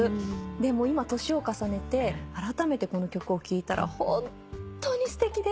でも今年を重ねてあらためてこの曲を聴いたらホントにすてきで。